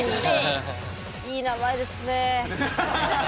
いい名前ですね。